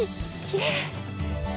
きれい。